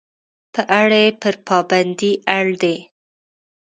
په اړه یې پر پابندۍ اړ دي.